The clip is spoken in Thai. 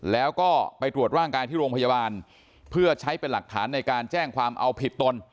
แล้วก็ไปตรวจร่างกายที่โรงพยาบาลเพื่อใช้เป็นหลักฐานในการแจ้งความเอาผิดตน